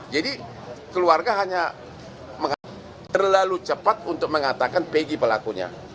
jadi keluarga hanya terlalu cepat untuk mengatakan pg pelakunya